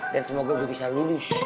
dan semoga gue bisa lulus